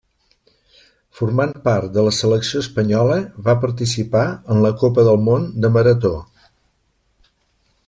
Formant part de la selecció espanyola va participar en la Copa del Món de marató.